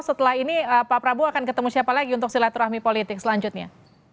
setelah ini pak prabowo akan ketemu siapa lagi untuk silaturahmi politik selanjutnya